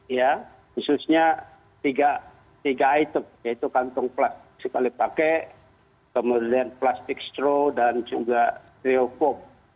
khususnya tiga item yaitu kantong plastik sekali pakai kemudian plastik stro dan juga trio foam